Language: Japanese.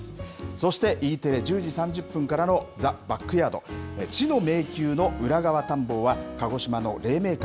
そしてＥテレ１０時３０分からの、ザ・バックヤード知の迷宮の裏側探訪は、鹿児島の黎明館。